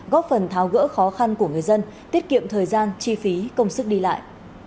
góp phần tháo gỡ khó khăn của người dân tiết kiệm thời gian chi phí công sức đi lại